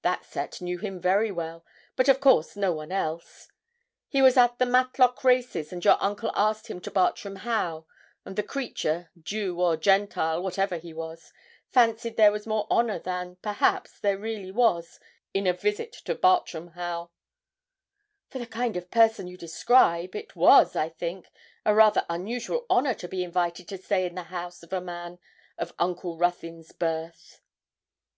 That set knew him very well, but of course no one else. He was at the Matlock races, and your uncle asked him to Bartram Haugh; and the creature, Jew or Gentile, whatever he was, fancied there was more honour than, perhaps, there really was in a visit to Bartram Haugh.' 'For the kind of person you describe, it was, I think, a rather unusual honour to be invited to stay in the house of a man of Uncle Ruthyn's birth.'